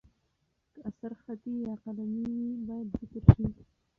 که اثر خطي یا قلمي وي، باید ذکر شي.